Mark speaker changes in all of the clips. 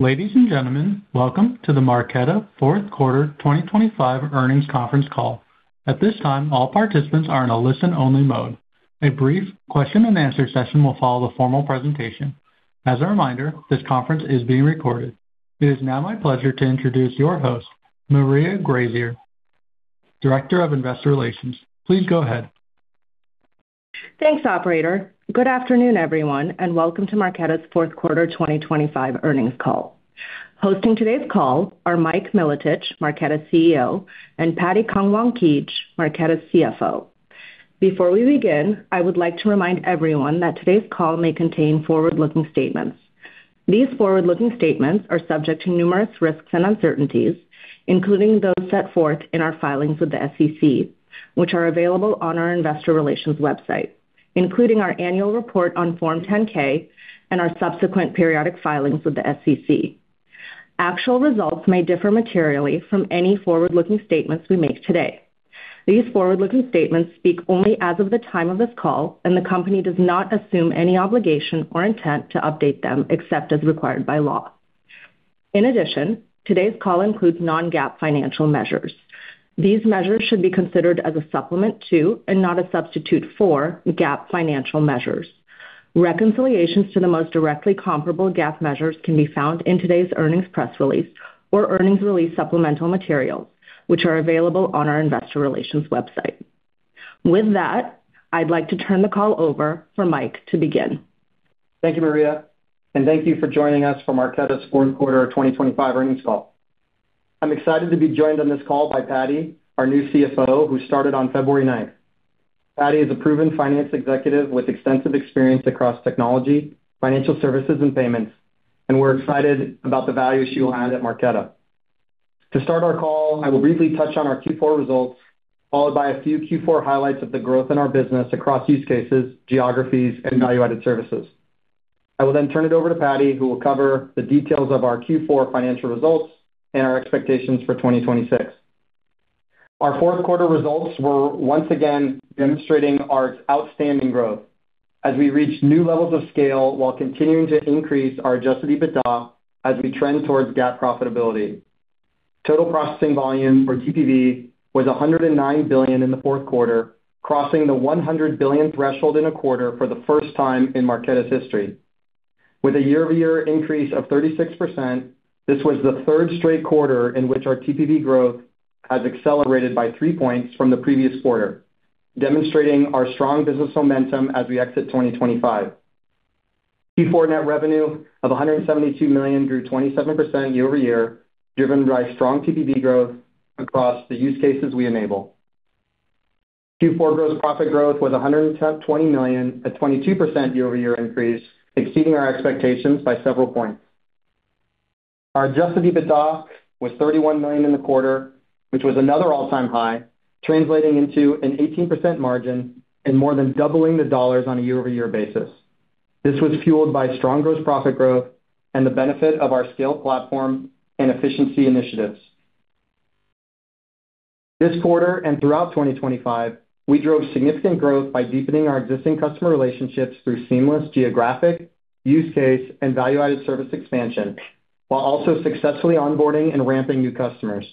Speaker 1: Ladies and gentlemen, welcome to the Marqeta fourth quarter 2025 earnings conference call. At this time, all participants are in a listen-only mode. A brief question and answer session will follow the formal presentation. As a reminder, this conference is being recorded. It is now my pleasure to introduce your host, Maria Graizer, Director of Investor Relations. Please go ahead.
Speaker 2: Thanks, operator. Good afternoon, everyone, and welcome to Marqeta's fourth quarter 2025 earnings call. Hosting today's call are Mike Milotich, Marqeta's CEO, and Patti Kangwankij, Marqeta's CFO. Before we begin, I would like to remind everyone that today's call may contain forward-looking statements. These forward-looking statements are subject to numerous risks and uncertainties, including those set forth in our filings with the SEC, which are available on our Investor Relations website, including our annual report on Form 10-K and our subsequent periodic filings with the SEC. Actual results may differ materially from any forward-looking statements we make today. These forward-looking statements speak only as of the time of this call, and the company does not assume any obligation or intent to update them except as required by law. In addition, today's call includes non-GAAP financial measures. These measures should be considered as a supplement to, and not a substitute for, GAAP financial measures. Reconciliations to the most directly comparable GAAP measures can be found in today's earnings press release or earnings release supplemental materials, which are available on our Investor Relations website. With that, I'd like to turn the call over for Mike to begin.
Speaker 3: Thank you, Maria, and thank you for joining us for Marqeta's fourth quarter of 2025 earnings call. I'm excited to be joined on this call by Patti, our new CFO, who started on February 9th. Patti is a proven finance executive with extensive experience across technology, financial services, and payments, and we're excited about the value she will add at Marqeta. To start our call, I will briefly touch on our Q4 results, followed by a few Q4 highlights of the growth in our business across use cases, geographies, and value-added services. I will then turn it over to Patti, who will cover the details of our Q4 financial results and our expectations for 2026. Our fourth quarter results were once again demonstrating our outstanding growth as we reach new levels of scale while continuing to increase our adjusted EBITDA as we trend towards GAAP profitability. Total processing volume, or TPV, was $109 billion in the fourth quarter, crossing the $100 billion threshold in a quarter for the first time in Marqeta's history. With a year-over-year increase of 36%, this was the third straight quarter in which our TPV growth has accelerated by 3 points from the previous quarter, demonstrating our strong business momentum as we exit 2025. Q4 net revenue of $172 million grew 27% year-over-year, driven by strong TPV growth across the use cases we enable. Q4 gross profit growth was $120 million, a 22% year-over-year increase, exceeding our expectations by several points. Our adjusted EBITDA was $31 million in the quarter, which was another all-time high, translating into an 18% margin and more than doubling the dollars on a year-over-year basis. This was fueled by strong gross profit growth and the benefit of our scale platform and efficiency initiatives. This quarter, and throughout 2025, we drove significant growth by deepening our existing customer relationships through seamless geographic, use case, and value-added service expansion, while also successfully onboarding and ramping new customers.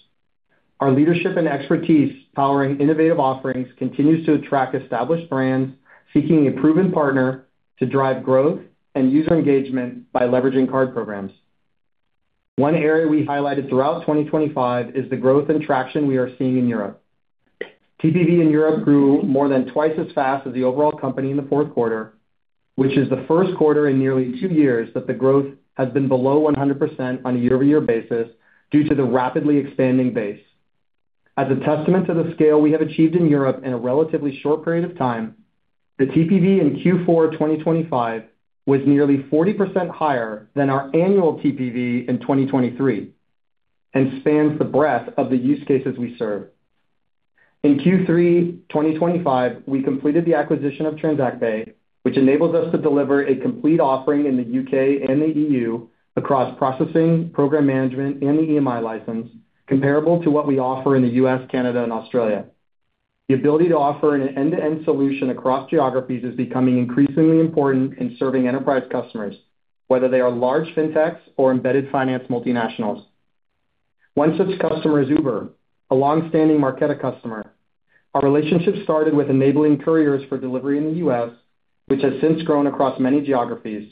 Speaker 3: Our leadership and expertise powering innovative offerings continues to attract established brands seeking a proven partner to drive growth and user engagement by leveraging card programs. One area we highlighted throughout 2025 is the growth and traction we are seeing in Europe. TPV in Europe grew more than twice as fast as the overall company in the fourth quarter, which is the first quarter in nearly two years that the growth has been below 100% on a year-over-year basis due to the rapidly expanding base. As a testament to the scale we have achieved in Europe in a relatively short period of time, the TPV in Q4 2025 was nearly 40% higher than our annual TPV in 2023 and spans the breadth of the use cases we serve. In Q3 2025, we completed the acquisition of TransactPay, which enables us to deliver a complete offering in the U.K. and the E.U. across processing, program management, and the EMI license, comparable to what we offer in the U.S., Canada, and Australia. The ability to offer an end-to-end solution across geographies is becoming increasingly important in serving enterprise customers, whether they are large fintechs or embedded finance multinationals. One such customer is Uber, a long-standing Marqeta customer. Our relationship started with enabling couriers for delivery in the U.S., which has since grown across many geographies.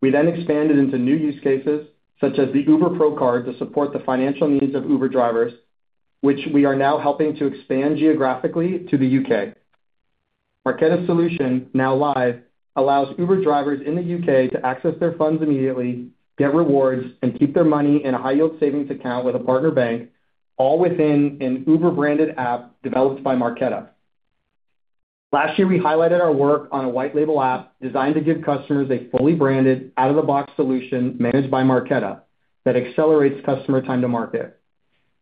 Speaker 3: We expanded into new use cases, such as the Uber Pro Card, to support the financial needs of Uber drivers, which we are now helping to expand geographically to the U.K. Marqeta's solution, now live, allows Uber drivers in the U.K. to access their funds immediately, get rewards, and keep their money in a high-yield savings account with a partner bank, all within an Uber-branded app developed by Marqeta. Last year, we highlighted our work on a white label app designed to give customers a fully branded, out-of-the-box solution managed by Marqeta that accelerates customer time to market.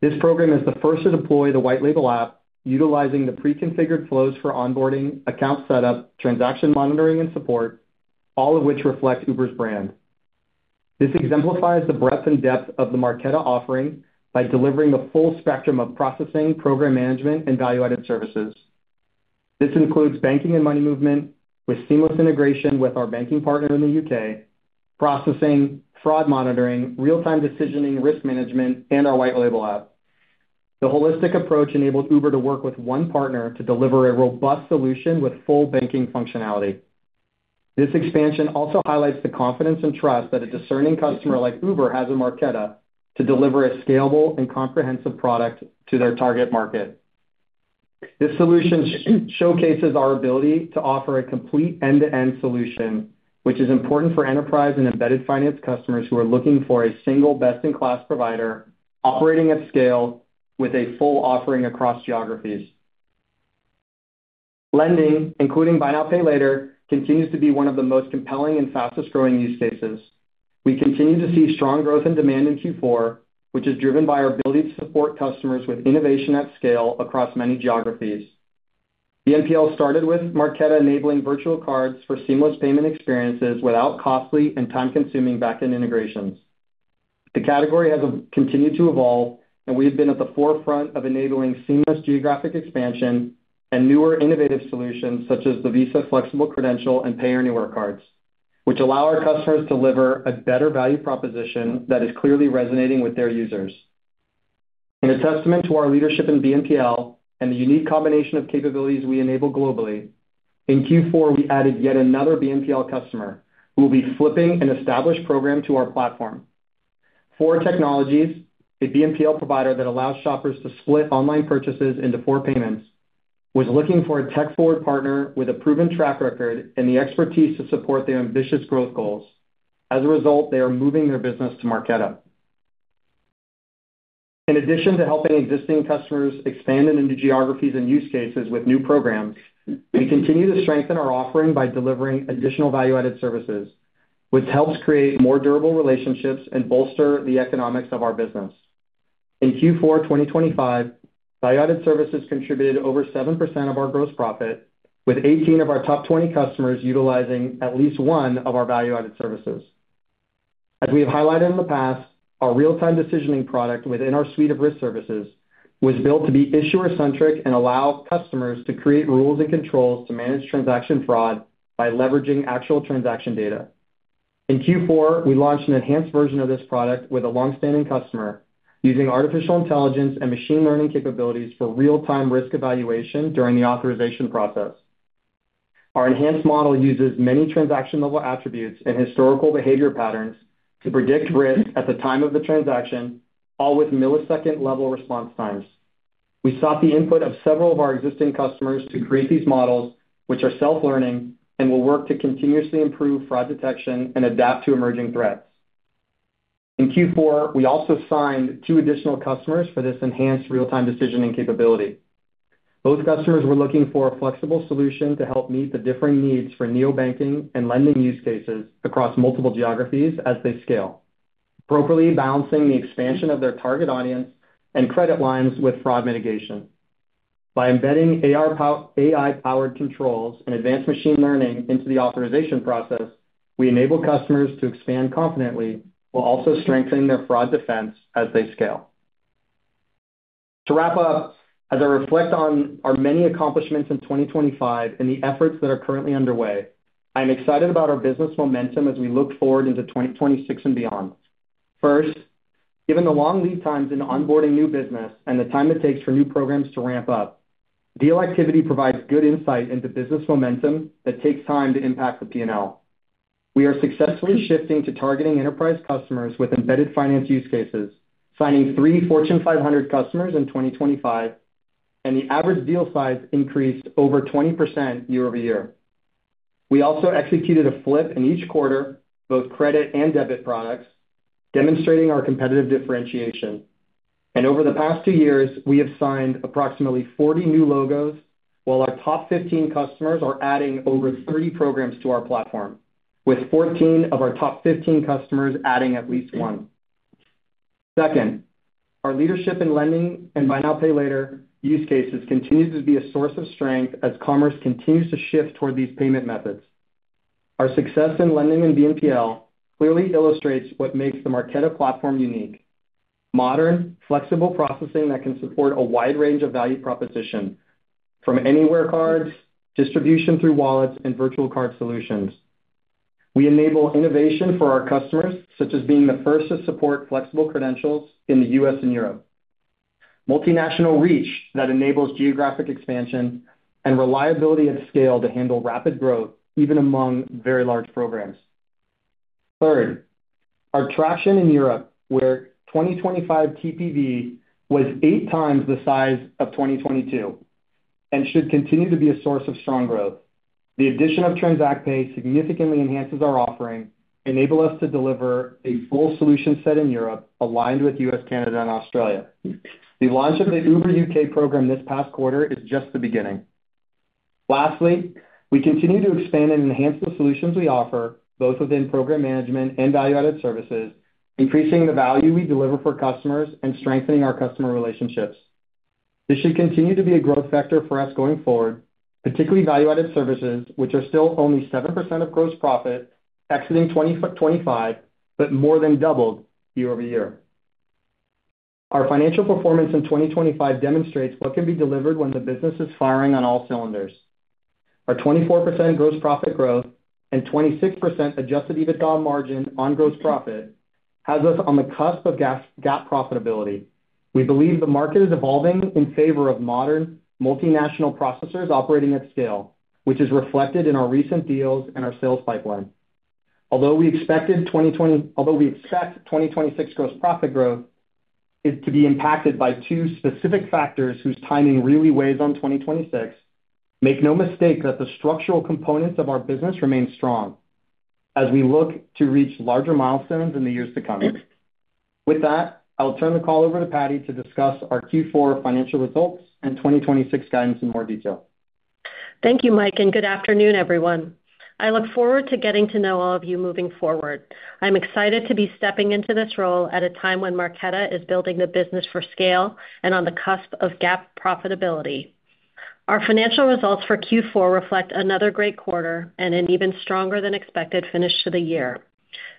Speaker 3: This program is the first to deploy the white label app, utilizing the preconfigured flows for onboarding, account setup, transaction monitoring, and support, all of which reflect Uber's brand. This exemplifies the breadth and depth of the Marqeta offering by delivering the full spectrum of processing, program management, and value-added services. This includes banking and money movement with seamless integration with our banking partner in the U.K., processing, fraud monitoring, Real-Time Decisioning, risk management, and our white label app. The holistic approach enables Uber to work with one partner to deliver a robust solution with full banking functionality. This expansion also highlights the confidence and trust that a discerning customer like Uber has in Marqeta to deliver a scalable and comprehensive product to their target market. This solution showcases our ability to offer a complete end-to-end solution, which is important for enterprise and embedded finance customers who are looking for a single best-in-class provider operating at scale with a full offering across geographies. Lending, including buy now, pay later, continues to be one of the most compelling and fastest-growing use cases. We continue to see strong growth and demand in Q4, which is driven by our ability to support customers with innovation at scale across many geographies. BNPL started with Marqeta enabling virtual cards for seamless payment experiences without costly and time-consuming back-end integrations. The category has continued to evolve, and we have been at the forefront of enabling seamless geographic expansion and newer innovative solutions, such as the Visa Flexible Credential and Payanywhere cards, which allow our customers to deliver a better value proposition that is clearly resonating with their users. In a testament to our leadership in BNPL and the unique combination of capabilities we enable globally, in Q4, we added yet another BNPL customer who will be flipping an established program to our platform. Four Technologies, a BNPL provider that allows shoppers to split online purchases into four payments, was looking for a tech-forward partner with a proven track record and the expertise to support their ambitious growth goals. They are moving their business to Marqeta. In addition to helping existing customers expand into geographies and use cases with new programs, we continue to strengthen our offering by delivering additional value-added services, which helps create more durable relationships and bolster the economics of our business. In Q4 2025, value-added services contributed over 7% of our gross profit, with 18 of our top 20 customers utilizing at least one of our value-added services. As we have highlighted in the past, our Real-Time Decisioning product within our suite of risk services was built to be issuer-centric and allow customers to create rules and controls to manage transaction fraud by leveraging actual transaction data. In Q4, we launched an enhanced version of this product with a long-standing customer using artificial intelligence and machine learning capabilities for real-time risk evaluation during the authorization process. Our enhanced model uses many transaction-level attributes and historical behavior patterns to predict risk at the time of the transaction, all with millisecond-level response times. We sought the input of several of our existing customers to create these models, which are self-learning and will work to continuously improve fraud detection and adapt to emerging threats. In Q4, we also signed two additional customers for this enhanced Real-Time Decisioning capability. Both customers were looking for a flexible solution to help meet the differing needs for neobanking and lending use cases across multiple geographies as they scale, appropriately balancing the expansion of their target audience and credit lines with fraud mitigation. By embedding AI-powered controls and advanced machine learning into the authorization process, we enable customers to expand confidently while also strengthening their fraud defense as they scale. To wrap up, as I reflect on our many accomplishments in 2025 and the efforts that are currently underway, I'm excited about our business momentum as we look forward into 2026 and beyond. First, given the long lead times in onboarding new business and the time it takes for new programs to ramp up, deal activity provides good insight into business momentum that takes time to impact the PNL. We are successfully shifting to targeting enterprise customers with embedded finance use cases, signing three Fortune 500 customers in 2025, and the average deal size increased over 20% year-over-year. We also executed a flip in each quarter, both credit and debit products, demonstrating our competitive differentiation. Over the past two years, we have signed approximately 40 new logos, while our top 15 customers are adding over 30 programs to our platform, with 14 of our top 15 customers adding at least one. Second, our leadership in lending and buy now, pay later use cases continues to be a source of strength as commerce continues to shift toward these payment methods. Our success in lending and BNPL clearly illustrates what makes the Marqeta platform unique. Modern, flexible processing that can support a wide range of value proposition from anywhere cards, distribution through wallets, and virtual card solutions. We enable innovation for our customers, such as being the first to support flexible credentials in the U.S. and Europe, multinational reach that enables geographic expansion and reliability at scale to handle rapid growth, even among very large programs. Third, our traction in Europe, where 2025 TPV was eight times the size of 2022, and should continue to be a source of strong growth. The addition of TransactPay significantly enhances our offering, enable us to deliver a full solution set in Europe aligned with U.S., Canada, and Australia. The launch of the Uber U.K. program this past quarter is just the beginning. Lastly, we continue to expand and enhance the solutions we offer, both within program management and value-added services, increasing the value we deliver for customers and strengthening our customer relationships. This should continue to be a growth factor for us going forward, particularly value-added services, which are still only 7% of gross profit, exiting 2025, but more than doubled year-over-year. Our financial performance in 2025 demonstrates what can be delivered when the business is firing on all cylinders. Our 24% gross profit growth and 26% adjusted EBITDA margin on gross profit has us on the cusp of GAAP profitability. We believe the market is evolving in favor of modern multinational processors operating at scale, which is reflected in our recent deals and our sales pipeline. Although we expect 2026 gross profit growth is to be impacted by two specific factors whose timing really weighs on 2026, make no mistake that the structural components of our business remain strong as we look to reach larger milestones in the years to come. With that, I'll turn the call over to Patti to discuss our Q4 financial results and 2026 guidance in more detail.
Speaker 4: Thank you, Mike. Good afternoon, everyone. I look forward to getting to know all of you moving forward. I'm excited to be stepping into this role at a time when Marqeta is building the business for scale on the cusp of GAAP profitability. Our financial results for Q4 reflect another great quarter an even stronger than expected finish to the year.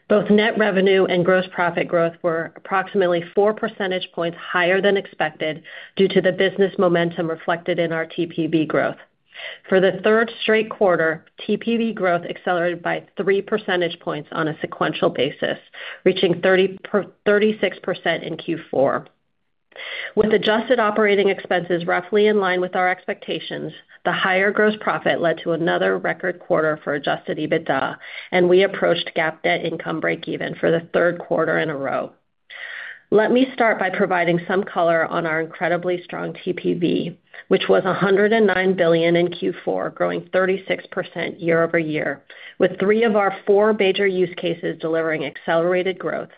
Speaker 4: Both net revenue and gross profit growth were approximately 4 percentage points higher than expected due to the business momentum reflected in our TPV growth. For the third straight quarter, TPV growth accelerated by 3 percentage points on a sequential basis, reaching 36% in Q4. With adjusted operating expenses roughly in line with our expectations, the higher gross profit led to another record quarter for adjusted EBITDA. We approached GAAP net income breakeven for the third quarter in a row. Let me start by providing some color on our incredibly strong TPV, which was $109 billion in Q4, growing 36% year-over-year, with three of our four major use cases delivering accelerated growth.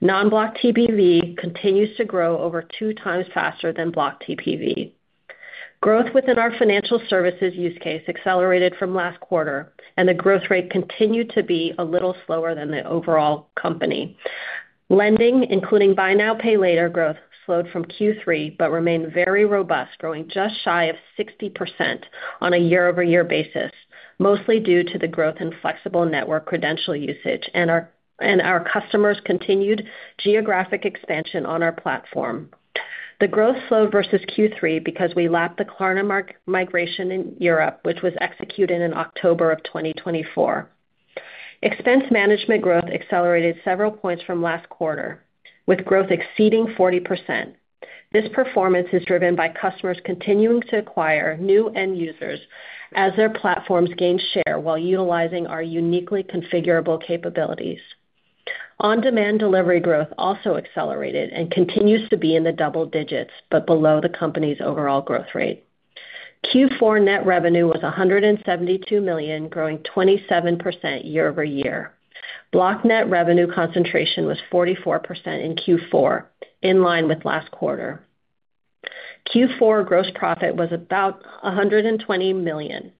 Speaker 4: Non-Block TPV continues to grow over two times faster than Block TPV. Growth within our financial services use case accelerated from last quarter. The growth rate continued to be a little slower than the overall company. Lending, including buy now, pay later growth, slowed from Q3, but remained very robust, growing just shy of 60% on a year-over-year basis, mostly due to the growth in flexible network credential usage and our customers' continued geographic expansion on our platform. The growth slowed versus Q3 because we lapped the Klarna migration in Europe, which was executed in October of 2024. Expense management growth accelerated several points from last quarter, with growth exceeding 40%. This performance is driven by customers continuing to acquire new end users as their platforms gain share while utilizing our uniquely configurable capabilities. On-demand delivery growth also accelerated and continues to be in the double digits, but below the company's overall growth rate. Q4 net revenue was $172 million, growing 27% year-over-year. Block net revenue concentration was 44% in Q4, in line with last quarter. Q4 gross profit was about $120 million.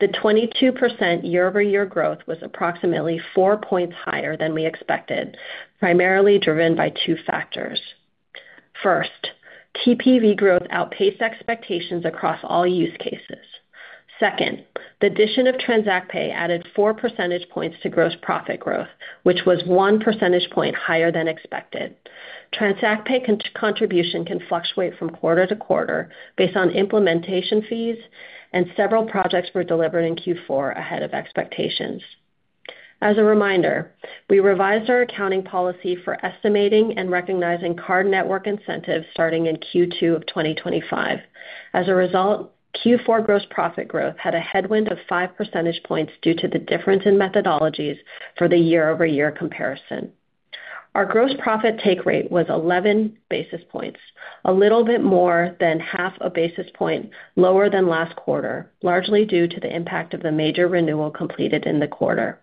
Speaker 4: The 22% year-over-year growth was approximately 4 points higher than we expected, primarily driven by two factors: First, TPV growth outpaced expectations across all use cases. Second, the addition of TransactPay added 4 percentage points to gross profit growth, which was 1 percentage point higher than expected. TransactPay contribution can fluctuate from quarter-to-quarter based on implementation fees, and several projects were delivered in Q4 ahead of expectations. As a reminder, we revised our accounting policy for estimating and recognizing card network incentives starting in Q2 of 2025. As a result, Q4 gross profit growth had a headwind of 5 percentage points due to the difference in methodologies for the year-over-year comparison. Our gross profit take rate was 11 basis points, a little bit more than half a basis point lower than last quarter, largely due to the impact of the major renewal completed in the quarter.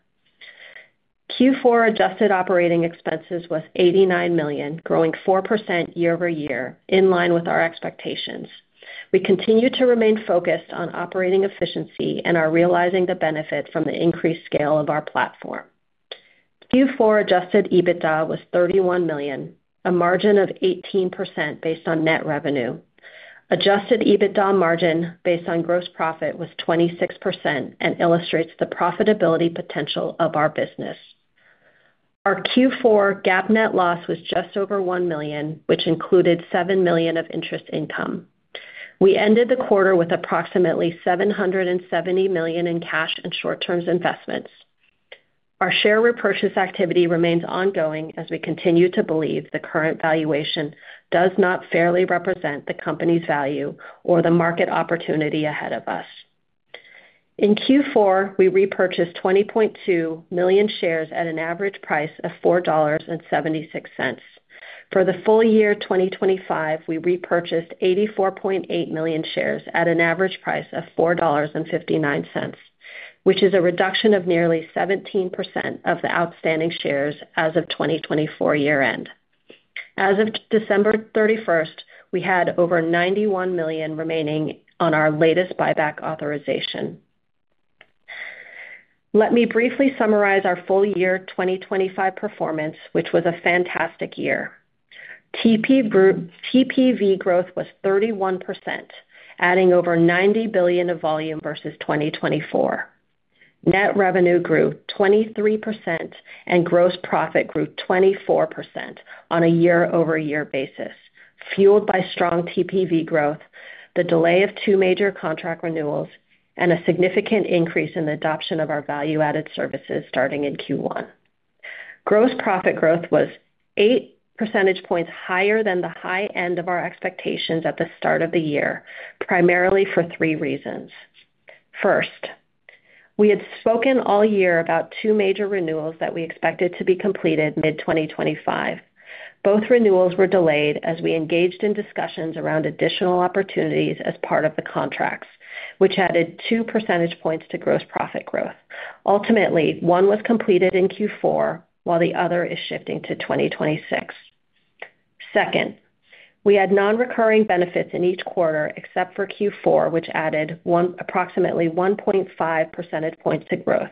Speaker 4: Q4 adjusted operating expenses was $89 million, growing 4% year-over-year, in line with our expectations. We continue to remain focused on operating efficiency and are realizing the benefit from the increased scale of our platform. Q4 adjusted EBITDA was $31 million, a margin of 18% based on net revenue. Adjusted EBITDA margin based on gross profit was 26% and illustrates the profitability potential of our business. Our Q4 GAAP net loss was just over $1 million, which included $7 million of interest income. We ended the quarter with approximately $770 million in cash and short-term investments. Our share repurchase activity remains ongoing as we continue to believe the current valuation does not fairly represent the company's value or the market opportunity ahead of us. In Q4, we repurchased 20.2 million shares at an average price of $4.76. For the full year 2025, we repurchased 84.8 million shares at an average price of $4.59, which is a reduction of nearly 17% of the outstanding shares as of 2024 year-end. As of December 31st, we had over $91 million remaining on our latest buyback authorization. Let me briefly summarize our full year 2025 performance, which was a fantastic year. TPV growth was 31%, adding over $90 billion of volume versus 2024. Net revenue grew 23% and gross profit grew 24% on a year-over-year basis, fueled by strong TPV growth, the delay of two major contract renewals, and a significant increase in the adoption of our value-added services starting in Q1. Gross profit growth was 8 percentage points higher than the high end of our expectations at the start of the year, primarily for three reasons. First, we had spoken all year about two major renewals that we expected to be completed mid-2025. Both renewals were delayed as we engaged in discussions around additional opportunities as part of the contracts, which added 2 percentage points to gross profit growth. Ultimately, one was completed in Q4, while the other is shifting to 2026. Second, we had non-recurring benefits in each quarter except for Q4, which added approximately 1.5 percentage points to growth.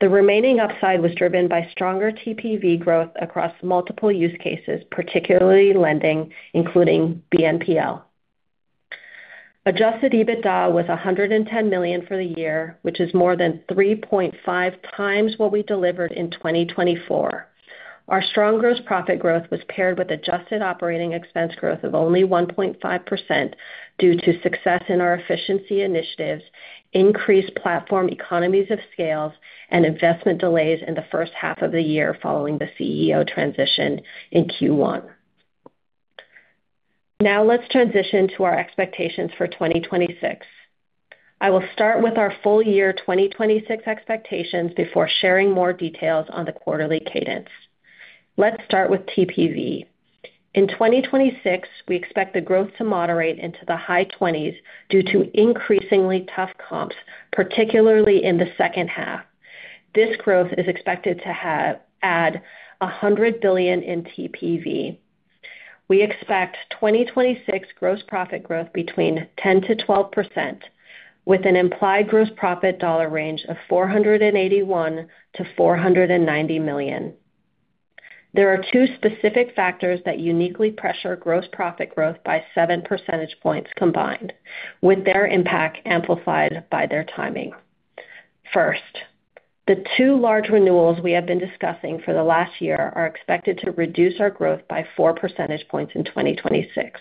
Speaker 4: The remaining upside was driven by stronger TPV growth across multiple use cases, particularly lending, including BNPL. Adjusted EBITDA was $110 million for the year, which is more than 3.5 times what we delivered in 2024. Our strong gross profit growth was paired with adjusted operating expense growth of only 1.5% due to success in our efficiency initiatives, increased platform economies of scale, and investment delays in the first half of the year following the CEO transition in Q1. Now let's transition to our expectations for 2026. I will start with our full year 2026 expectations before sharing more details on the quarterly cadence. Let's start with TPV. In 2026, we expect the growth to moderate into the high 20s due to increasingly tough comps, particularly in the second half. This growth is expected to add $100 billion in TPV. We expect 2026 gross profit growth between 10%-12%, with an implied gross profit dollar range of $481 million-$490 million. There are two specific factors that uniquely pressure gross profit growth by 7 percentage points combined, with their impact amplified by their timing. The two large renewals we have been discussing for the last year are expected to reduce our growth by 4 percentage points in 2026.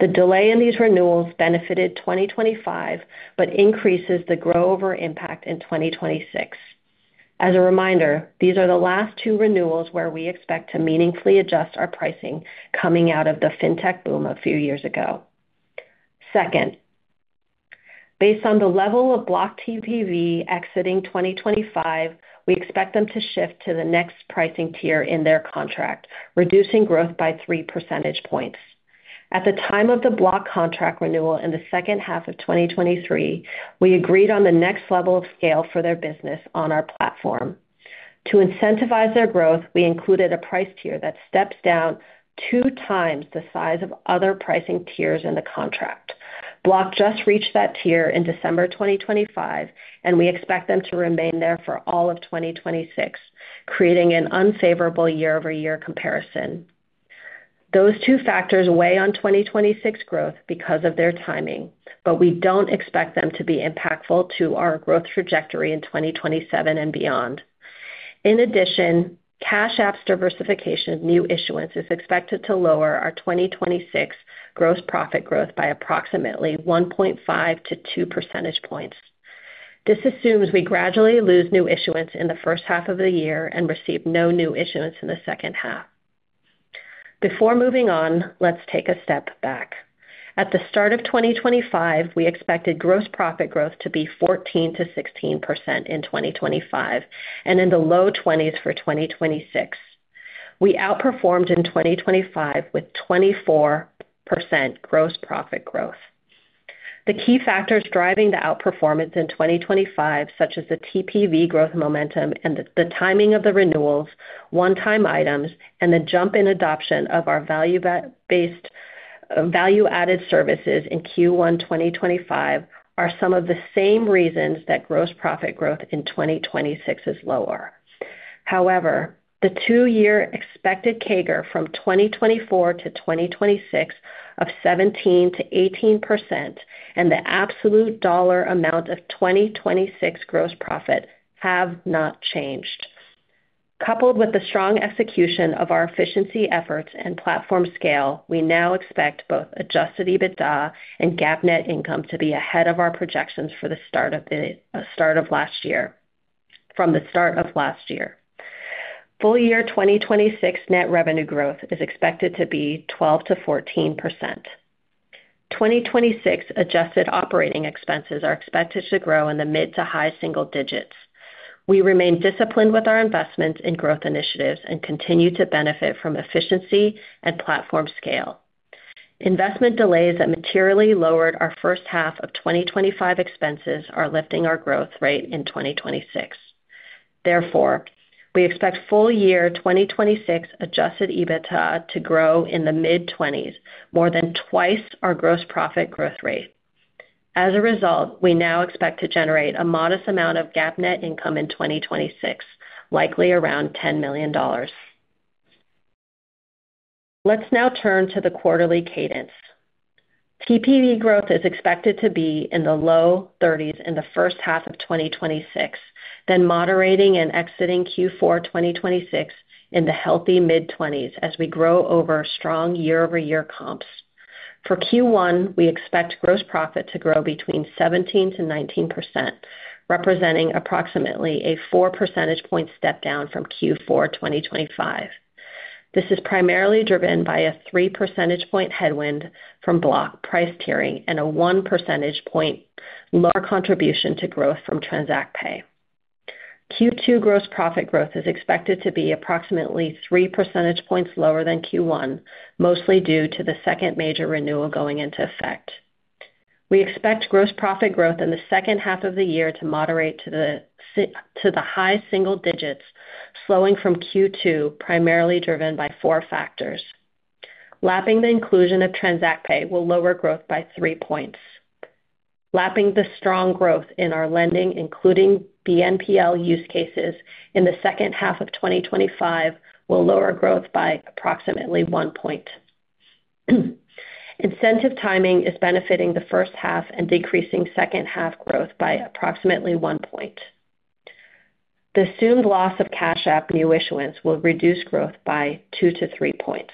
Speaker 4: The delay in these renewals benefited 2025, but increases the grow over impact in 2026. As a reminder, these are the last two renewals where we expect to meaningfully adjust our pricing coming out of the fintech boom a few years ago. Second, based on the level of Block TPV exiting 2025, we expect them to shift to the next pricing tier in their contract, reducing growth by 3 percentage points. At the time of the Block contract renewal in the second half of 2023, we agreed on the next level of scale for their business on our platform. To incentivize their growth, we included a price tier that steps down two times the size of other pricing tiers in the contract. Block just reached that tier in December 2025, and we expect them to remain there for all of 2026, creating an unfavorable year-over-year comparison. Those two factors weigh on 2026 growth because of their timing, but we don't expect them to be impactful to our growth trajectory in 2027 and beyond. In addition, Cash App's diversification of new issuance is expected to lower our 2026 gross profit growth by approximately 1.5-2 percentage points. This assumes we gradually lose new issuance in the first half of the year and receive no new issuance in the second half. Before moving on, let's take a step back. At the start of 2025, we expected gross profit growth to be 14%-16% in 2025, and in the low 20s for 2026. We outperformed in 2025 with 24% gross profit growth. The key factors driving the outperformance in 2025, such as the TPV growth momentum and the timing of the renewals, one-time items, and the jump in adoption of our value-added services in Q1 2025, are some of the same reasons that gross profit growth in 2026 is lower. The two-year expected CAGR from 2024 to 2026 of 17%-18% and the absolute dollar amount of 2026 gross profit have not changed. Coupled with the strong execution of our efficiency efforts and platform scale, we now expect both adjusted EBITDA and GAAP net income to be ahead of our projections from the start of last year. Full year 2026 net revenue growth is expected to be 12%-14%. 2026 adjusted operating expenses are expected to grow in the mid to high single digits. We remain disciplined with our investments in growth initiatives and continue to benefit from efficiency and platform scale. Investment delays that materially lowered our first half of 2025 expenses are lifting our growth rate in 2026. Therefore, we expect full year 2026 adjusted EBITDA to grow in the mid-20s, more than twice our gross profit growth rate. As a result, we now expect to generate a modest amount of GAAP net income in 2026, likely around $10 million. Let's now turn to the quarterly cadence. TPV growth is expected to be in the low 30s in the first half of 2026, then moderating and exiting Q4 2026 in the healthy mid-20s as we grow over strong year-over-year comps. For Q1, we expect gross profit to grow between 17%-19%, representing approximately a 4 percentage point step down from Q4 2025. This is primarily driven by a 3 percentage point headwind from Block price tiering and a 1 percentage point lower contribution to growth from TransactPay. Q2 gross profit growth is expected to be approximately 3 percentage points lower than Q1, mostly due to the second major renewal going into effect. We expect gross profit growth in the second half of the year to moderate to the high single digits, slowing from Q2, primarily driven by four factors. Lapping the inclusion of TransactPay will lower growth by 3 points. Lapping the strong growth in our lending, including BNPL use cases in the second half of 2025, will lower growth by approximately 1 point. Incentive timing is benefiting the first half and decreasing second half growth by approximately 1 point. The assumed loss of Cash App new issuance will reduce growth by 2-3 points.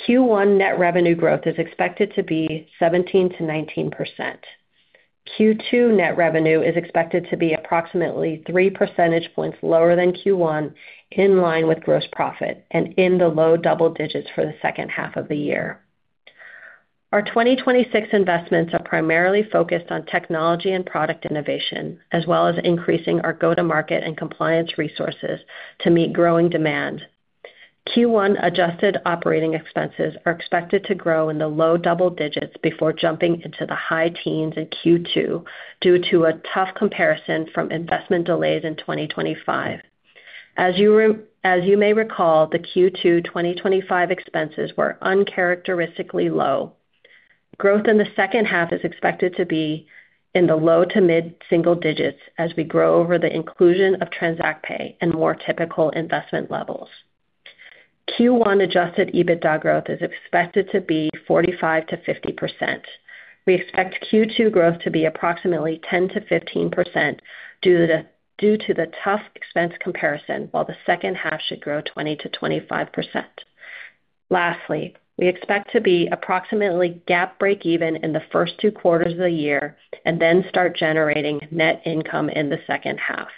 Speaker 4: Q1 net revenue growth is expected to be 17%-19%. Q2 net revenue is expected to be approximately 3 percentage points lower than Q1, in line with gross profit and in the low double digits for the second half of the year. Our 2026 investments are primarily focused on technology and product innovation, as well as increasing our go-to-market and compliance resources to meet growing demand. Q1 adjusted operating expenses are expected to grow in the low double digits before jumping into the high teens in Q2 due to a tough comparison from investment delays in 2025. As you may recall, the Q2 2025 expenses were uncharacteristically low. Growth in the second half is expected to be in the low to mid-single digits as we grow over the inclusion of TransactPay and more typical investment levels. Q1 adjusted EBITDA growth is expected to be 45%-50%. We expect Q2 growth to be approximately 10%-15% due to the tough expense comparison, while the second half should grow 20%-25%. We expect to be approximately GAAP breakeven in the first two quarters of the year and then start generating net income in the second half.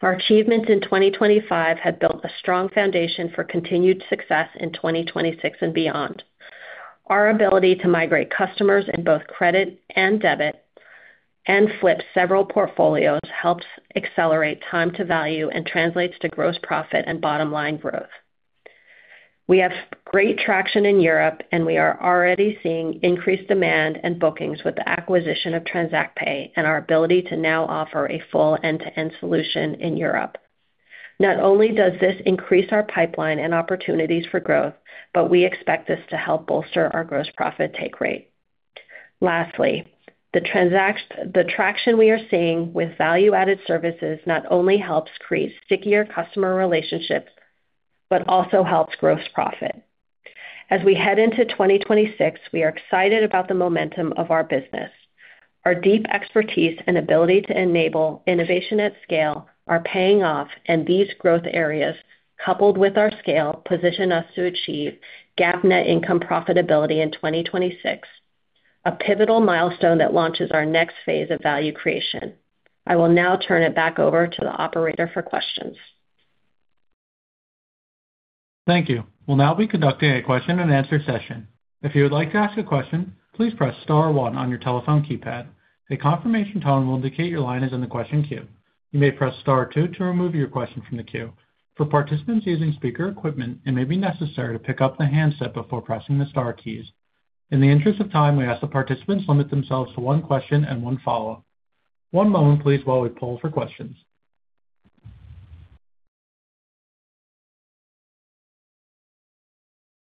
Speaker 4: Our achievements in 2025 have built a strong foundation for continued success in 2026 and beyond. Our ability to migrate customers in both credit and debit and flip several portfolios helps accelerate time to value and translates to gross profit and bottom line growth. We have great traction in Europe, and we are already seeing increased demand and bookings with the acquisition of TransactPay and our ability to now offer a full end-to-end solution in Europe. Not only does this increase our pipeline and opportunities for growth, but we expect this to help bolster our gross profit take rate. Lastly, the traction we are seeing with value-added services not only helps create stickier customer relationships, but also helps gross profit. As we head into 2026, we are excited about the momentum of our business. Our deep expertise and ability to enable innovation at scale are paying off, and these growth areas, coupled with our scale, position us to achieve GAAP net income profitability in 2026, a pivotal milestone that launches our next phase of value creation. I will now turn it back over to the operator for questions.
Speaker 1: Thank you. We'll now be conducting a question and answer session. If you would like to ask a question, please press star one on your telephone keypad. A confirmation tone will indicate your line is in the question queue. You may press star two to remove your question from the queue. For participants using speaker equipment, it may be necessary to pick up the handset before pressing the star keys. In the interest of time, we ask that participants limit themselves to one question and one follow-up. One moment, please, while we poll for questions.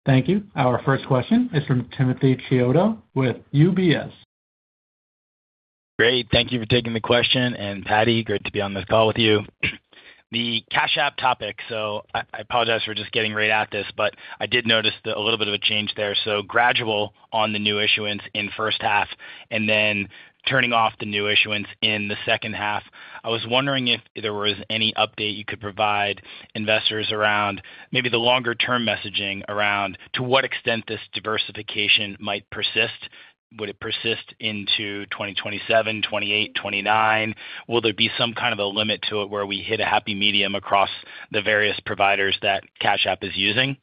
Speaker 1: Thank you. Our first question is from Timothy Chiodo with UBS.
Speaker 5: Great. Thank you for taking the question, and Patti, great to be on this call with you. The Cash App topic. I apologize for just getting right at this, but I did notice a little bit of a change there. Gradual on the new issuance in first half, and then turning off the new issuance in the second half. I was wondering if there was any update you could provide investors around maybe the longer-term messaging around to what extent this diversification might persist. Would it persist into 2027, 2028, 2029? Will there be some kind of a limit to it where we hit a happy medium across the various providers that Cash App is using?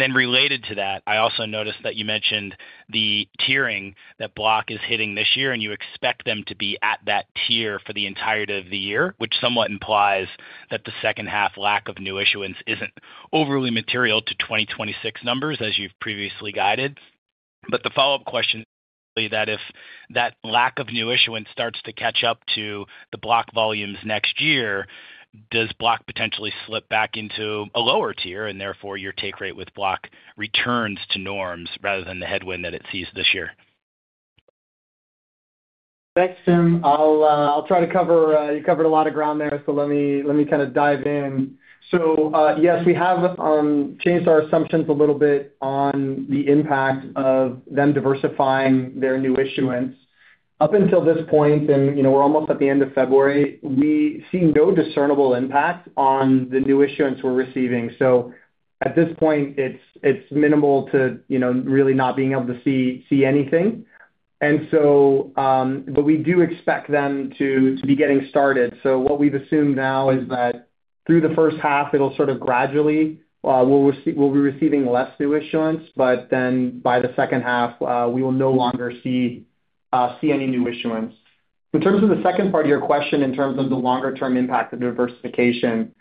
Speaker 5: Related to that, I also noticed that you mentioned the tiering that Block is hitting this year, and you expect them to be at that tier for the entirety of the year, which somewhat implies that the second half lack of new issuance isn't overly material to 2026 numbers, as you've previously guided. The follow-up question is that if that lack of new issuance starts to catch up to the Block volumes next year, does Block potentially slip back into a lower tier and therefore your take rate with Block returns to norms rather than the headwind that it sees this year?
Speaker 3: Thanks, Tim. I'll try to cover, you covered a lot of ground there, so let me kind of dive in. Yes, we have changed our assumptions a little bit on the impact of them diversifying their new issuance. Up until this point, and, you know, we're almost at the end of February, we've seen no discernible impact on the new issuance we're receiving. At this point, it's minimal to, you know, really not being able to see anything. But we do expect them to be getting started. What we've assumed now is that through the first half, it'll sort of gradually, we'll be receiving less new issuance, by the second half, we will no longer see any new issuance. In terms of the second part of your question, in terms of the longer term impact of diversification,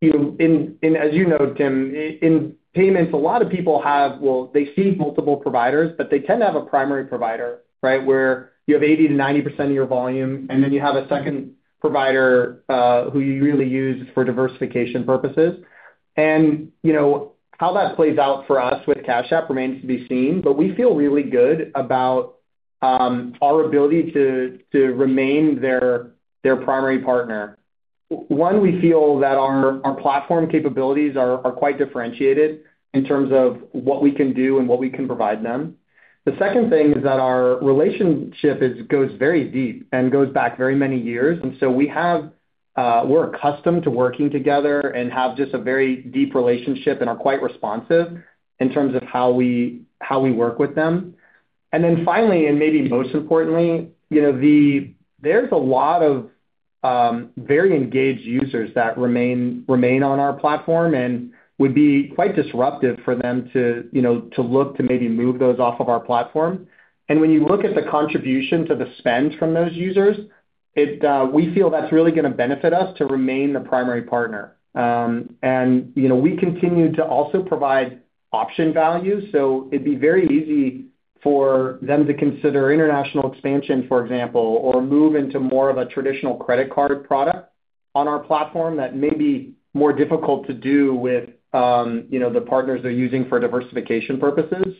Speaker 3: you know, in as you noted, Tim, in payments, a lot of people see multiple providers, but they tend to have a primary provider, right? Where you have 80%-90% of your volume, then you have a second provider who you really use for diversification purposes. You know, how that plays out for us with Cash App remains to be seen, but we feel really good about our ability to remain their primary partner. One, we feel that our platform capabilities are quite differentiated in terms of what we can do and what we can provide them. The second thing is that our relationship is goes very deep and goes back very many years. We have, we're accustomed to working together and have just a very deep relationship and are quite responsive in terms of how we, how we work with them. Finally, and maybe most importantly, you know, there's a lot of very engaged users that remain on our platform, and would be quite disruptive for them to, you know, to look to maybe move those off of our platform. When you look at the contribution to the spend from those users, it, we feel that's really gonna benefit us to remain the primary partner. You know, we continue to also provide option value, so it'd be very easy for them to consider international expansion, for example, or move into more of a traditional credit card product on our platform that may be more difficult to do with, you know, the partners they're using for diversification purposes.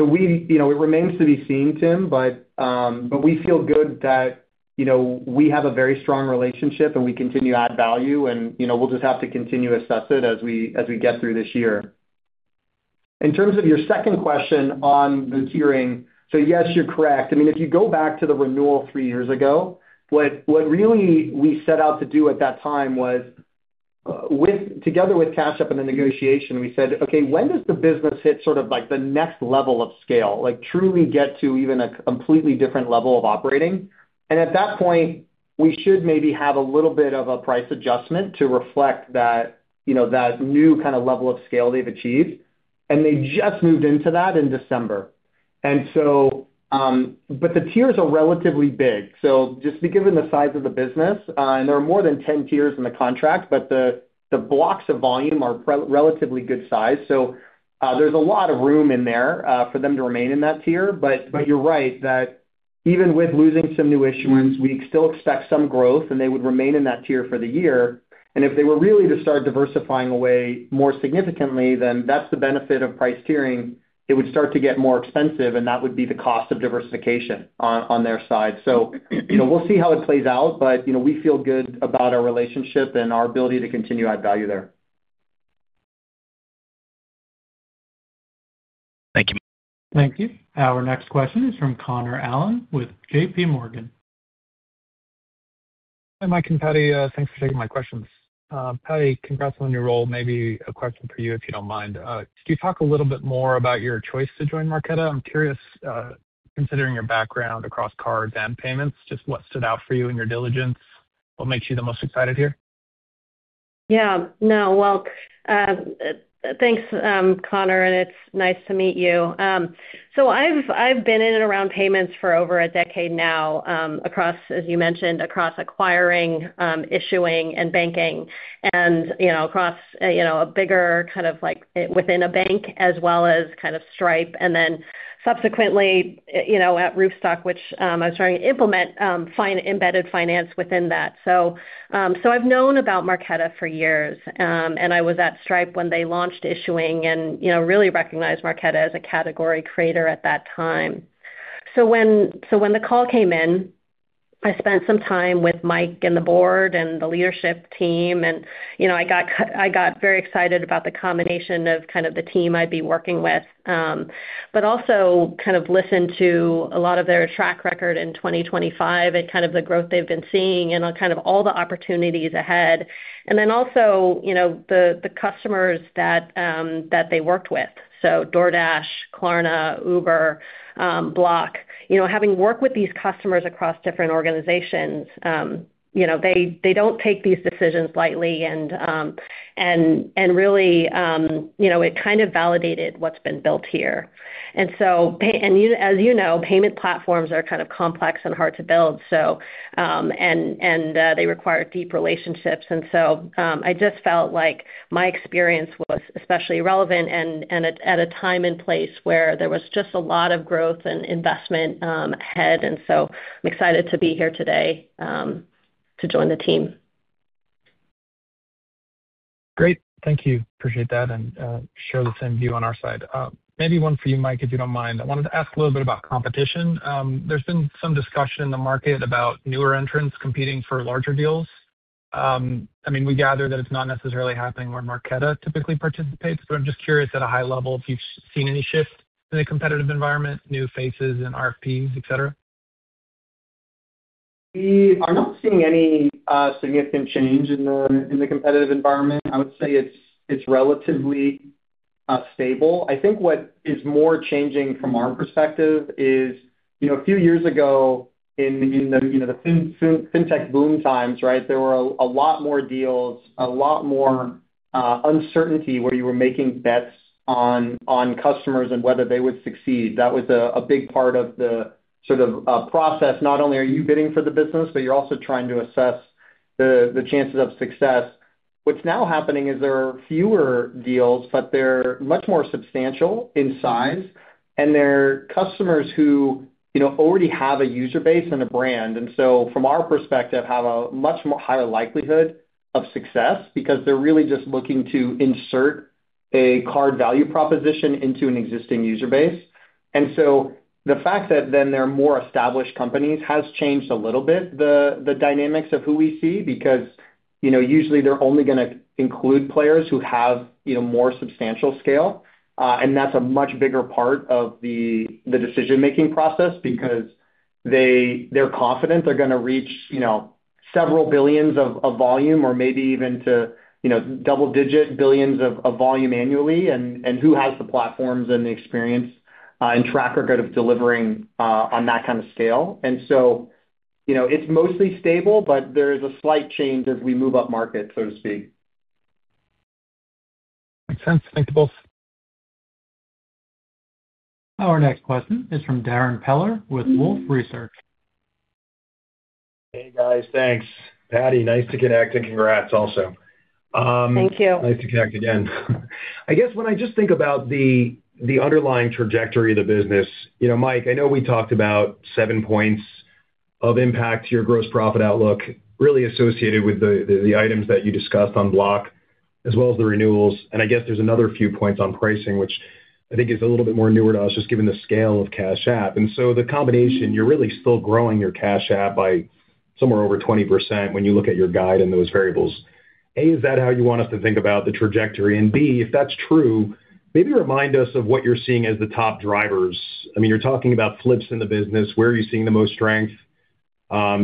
Speaker 3: We, you know, it remains to be seen, Tim, we feel good that, you know, we have a very strong relationship, and we continue to add value, and, you know, we'll just have to continue to assess it as we, as we get through this year. In terms of your second question on the tiering, yes, you're correct. I mean, if you go back to the renewal three years ago, what really we set out to do at that time was together with Cash App in the negotiation, we said, "Okay, when does the business hit sort of like the next level of scale? Like, truly get to even a completely different level of operating." At that point, we should maybe have a little bit of a price adjustment to reflect that, you know, that new kind of level of scale they've achieved. They just moved into that in December. The tiers are relatively big, so just given the size of the business, and there are more than 10 tiers in the contract, but the blocks of volume are relatively good size. There's a lot of room in there for them to remain in that tier. You're right that even with losing some new issuance, we still expect some growth, and they would remain in that tier for the year. If they were really to start diversifying away more significantly, then that's the benefit of price tiering. It would start to get more expensive, and that would be the cost of diversification on their side. You know, we'll see how it plays out, but, you know, we feel good about our relationship and our ability to continue to add value there.
Speaker 5: Thank you.
Speaker 1: Thank you. Our next question is from Connor Allen with JPMorgan.
Speaker 6: Hi, Mike and Patti, thanks for taking my questions. Patti, congrats on your role. Maybe a question for you, if you don't mind. Could you talk a little bit more about your choice to join Marqeta? I'm curious, considering your background across cards and payments, just what stood out for you in your diligence? What makes you the most excited here?
Speaker 4: Yeah. No, well, thanks, Connor, it's nice to meet you. I've been in and around payments for over a decade now, across, as you mentioned, across acquiring, issuing and banking, and, you know, across, you know, a bigger kind of like, within a bank, as well as kind of Stripe, subsequently, you know, at Roofstock, which I was trying to implement embedded finance within that. I've known about Marqeta for years. I was at Stripe when they launched issuing and, you know, really recognized Marqeta as a category creator at that time. When the call came in, I spent some time with Mike and the Board and the leadership team, and, you know, I got very excited about the combination of kind of the team I'd be working with, but also kind of listened to a lot of their track record in 2025 and kind of the growth they've been seeing and on kind of all the opportunities ahead. Also, you know, the customers that they worked with, so DoorDash, Klarna, Uber, Block. You know, having worked with these customers across different organizations, you know, they don't take these decisions lightly and really, you know, it kind of validated what's been built here. You, as you know, payment platforms are kind of complex and hard to build. They require deep relationships. I just felt like my experience was especially relevant and at a time and place where there was just a lot of growth and investment ahead. I'm excited to be here today to join the team.
Speaker 6: Great. Thank you. Appreciate that. Share the same view on our side. Maybe one for you, Mike, if you don't mind. I wanted to ask a little bit about competition. There's been some discussion in the market about newer entrants competing for larger deals. I mean, we gather that it's not necessarily happening where Marqeta typically participates, but I'm just curious, at a high level, if you've seen any shift in the competitive environment, new faces in RFPs, et cetera?
Speaker 3: We are not seeing any significant change in the competitive environment. I would say it's relatively stable. I think what is more changing from our perspective is, you know, a few years ago, in the, you know, the fintech boom times, right, there were a lot more deals, a lot more uncertainty, where you were making bets on customers and whether they would succeed. That was a big part of the sort of process. Not only are you bidding for the business, but you're also trying to assess the chances of success. What's now happening is there are fewer deals, but they're much more substantial in size, and they're customers who, you know, already have a user base and a brand, and so from our perspective, have a much more higher likelihood of success because they're really just looking to insert a card value proposition into an existing user base. The fact that then they're more established companies has changed a little bit, the dynamics of who we see, because, you know, usually they're only going to include players who have, you know, more substantial scale. That's a much bigger part of the decision-making process because they're confident they're going to reach, you know, several billions of volume or maybe even to, you know, double-digit billions of volume annually, and who has the platforms and the experience and track record of delivering on that kind of scale. You know, it's mostly stable, but there is a slight change as we move upmarket, so to speak.
Speaker 6: Makes sense. Thank you both.
Speaker 1: Our next question is from Darrin Peller with Wolfe Research.
Speaker 7: Hey, guys, thanks. Patti, nice to connect, and congrats also.
Speaker 4: Thank you.
Speaker 7: Nice to connect again. I guess when I just think about the underlying trajectory of the business, you know, Mike, I know we talked about 7 points of impact to your gross profit outlook, really associated with the, the items that you discussed on Block, as well as the renewals. I guess there's another few points on pricing, which I think is a little bit more newer to us, just given the scale of Cash App. The combination, you're really still growing your Cash App by somewhere over 20% when you look at your guide and those variables. A, is that how you want us to think about the trajectory? B, if that's true, maybe remind us of what you're seeing as the top drivers. I mean, you're talking about flips in the business. Where are you seeing the most strength?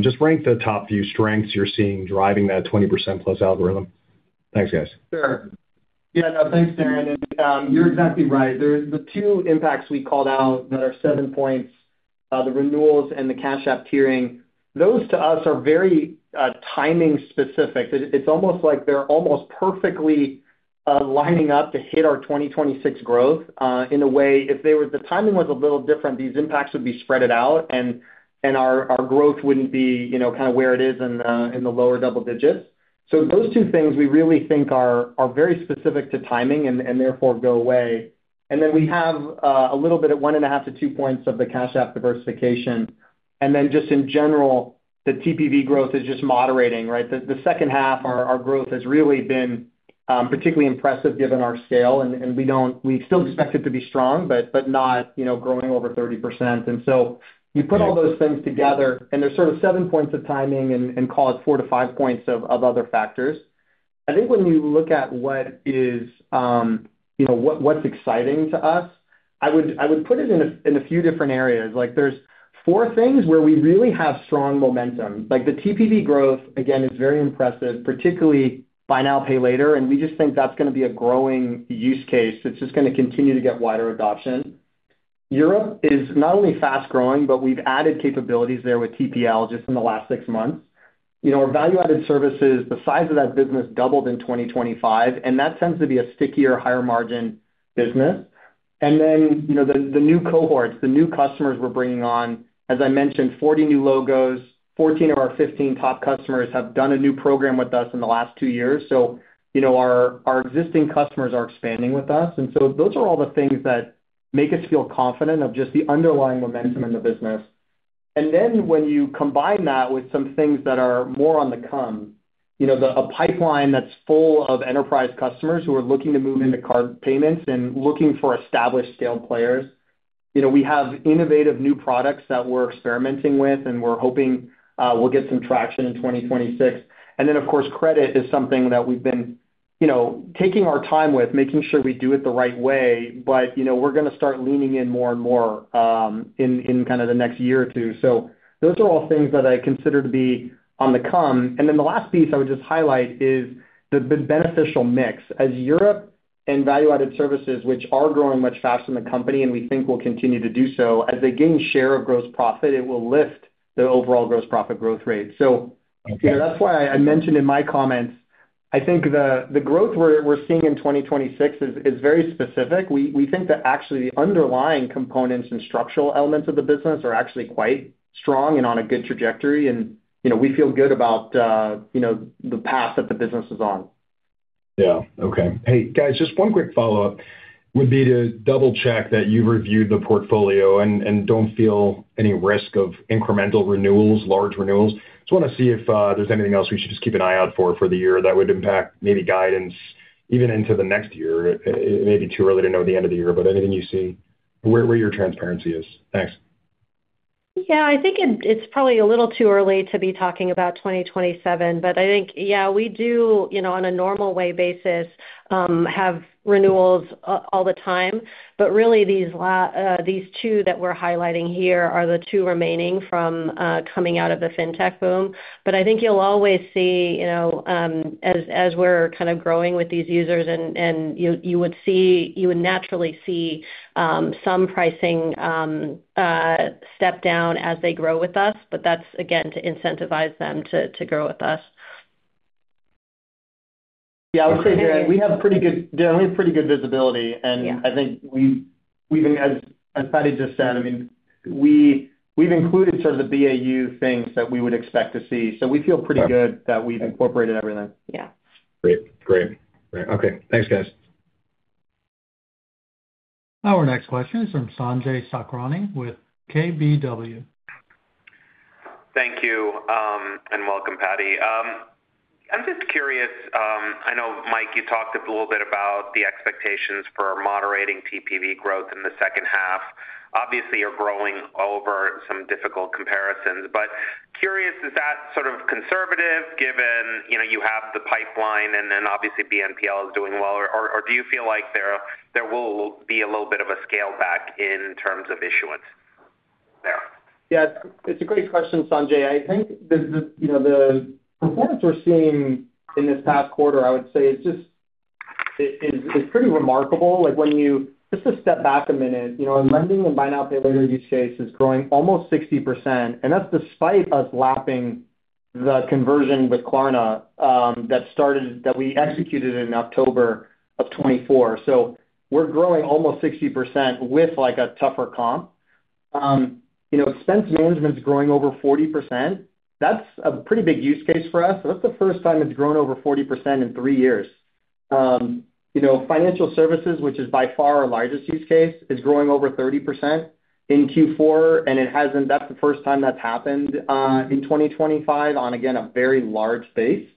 Speaker 7: Just rank the top few strengths you're seeing driving that 20%+ algorithm. Thanks, guys.
Speaker 3: Sure. Yeah, no, thanks, Darrin, you're exactly right. The two impacts we called out that are 7 points, the renewals and the Cash App tiering, those, to us, are very timing specific. It's almost like they're almost perfectly lining up to hit our 2026 growth. In a way, if the timing was a little different, these impacts would be spreaded out, and our growth wouldn't be, you know, kind of where it is in the lower double digits. Those two things we really think are very specific to timing and therefore go away. Then we have a little bit of 1.5-2 points of the Cash App diversification. Then just in general, the TPV growth is just moderating, right? The second half, our growth has really been particularly impressive given our scale, and we still expect it to be strong, but not, you know, growing over 30%. You put all those things together, and there's sort of 7 points of timing and call it 4-5 points of other factors. I think when you look at what is, you know, what's exciting to us, I would put it in a few different areas. There's four things where we really have strong momentum. The TPV growth, again, is very impressive, particularly buy now, pay later, and we just think that's going to be a growing use case. It's just going to continue to get wider adoption. Europe is not only fast-growing, but we've added capabilities there with TPL just in the last six months. You know, our value-added services, the size of that business doubled in 2025, and that tends to be a stickier, higher margin business. You know, the new cohorts, the new customers we're bringing on, as I mentioned, 40 new logos, 14 of our 15 top customers have done a new program with us in the last two years. Those are all the things that make us feel confident of just the underlying momentum in the business. When you combine that with some things that are more on the come, you know, a pipeline that's full of enterprise customers who are looking to move into card payments and looking for established scale players. You know, we have innovative new products that we're experimenting with, and we're hoping we'll get some traction in 2026. Then, of course, credit is something that we've been, you know, taking our time with, making sure we do it the right way, but, you know, we're going to start leaning in more and more, in kind of the next year or two. Those are all things that I consider to be on the come. Then the last piece I would just highlight is the beneficial mix. As Europe and value-added services, which are growing much faster than the company, and we think will continue to do so, as they gain share of gross profit, it will lift the overall gross profit growth rate. That's why I mentioned in my comments, I think the growth we're seeing in 2026 is very specific. We think that actually the underlying components and structural elements of the business are actually quite strong and on a good trajectory, you know, we feel good about, you know, the path that the business is on.
Speaker 7: Yeah. Okay. Hey, guys, just one quick follow-up. Would be to double-check that you've reviewed the portfolio and don't feel any risk of incremental renewals, large renewals. Just wanna see if there's anything else we should just keep an eye out for the year that would impact maybe guidance, even into the next year. It may be too early to know the end of the year, but anything you see, where your transparency is? Thanks.
Speaker 4: Yeah, I think it's probably a little too early to be talking about 2027. I think, yeah, we do, you know, on a normal way basis, have renewals all the time. Really, these two that we're highlighting here are the two remaining from coming out of the fintech boom. I think you'll always see, you know, as we're kind of growing with these users and, you would naturally see, some pricing step down as they grow with us, but that's again, to incentivize them to grow with us.
Speaker 3: Yeah, I would say, Darrin, we have pretty good visibility.
Speaker 4: Yeah.
Speaker 3: I think we've, as Patti just said, I mean, we've included sort of the BAU things that we would expect to see. We feel pretty good.
Speaker 7: Yeah.
Speaker 3: That we've incorporated everything.
Speaker 4: Yeah.
Speaker 7: Great. Okay. Thanks, guys.
Speaker 1: Our next question is from Sanjay Sakhrani with KBW.
Speaker 8: Thank you, and welcome, Patti. I'm just curious, I know, Mike, you talked a little bit about the expectations for moderating TPV growth in the second half. Obviously, you're growing over some difficult comparisons, but curious, is that sort of conservative, given, you know, you have the pipeline and then obviously BNPL is doing well? Do you feel like there will be a little bit of a scale back in terms of issuance there?
Speaker 3: Yeah, it's a great question, Sanjay. I think the, you know, the performance we're seeing in this past quarter, I would say, is pretty remarkable. Like, when you just to step back a minute, you know, buy now, pay later use case is growing almost 60%, and that's despite us lapping the conversion with Klarna that we executed in October 2024. We're growing almost 60% with, like, a tougher comp. You know, expense management is growing over 40%. That's a pretty big use case for us. That's the first time it's grown over 40% in three years. You know, financial services, which is by far our largest use case, is growing over 30% in Q4. That's the first time that's happened in 2025 on, again, a very large base.